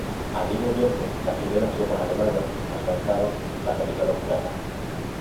Al mismo tiempo, las primeras tropas alemanas alcanzaban la capital austríaca.